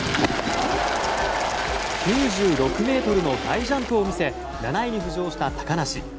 ９６ｍの大ジャンプを見せ７位に浮上した高梨。